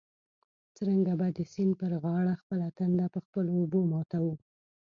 څرنګه به د سیند پر غاړه خپله تنده په خپلو اوبو ماتوو.